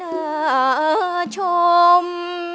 หน้าชม